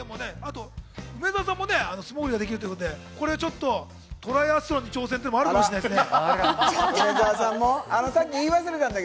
梅沢さんも素潜りができるということで、ちょっとトライアスロンに挑戦もあるかもしれないですね。